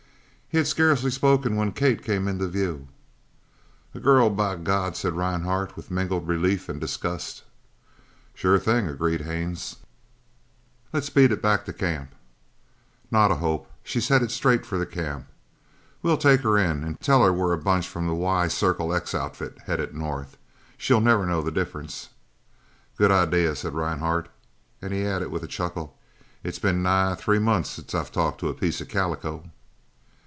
He had scarcely spoken when Kate came into view. "A girl, by God!" said Rhinehart, with mingled relief and disgust. "Sure thing," agreed Haines. "Let's beat it back to the camp." "Not a hope. She's headed straight for the camp. We'll take her in and tell her we're a bunch from the Y Circle X outfit headed north. She'll never know the difference." "Good idea," said Rhinehart, and he added with a chuckle, "it's been nigh three months since I've talked to a piece of calico."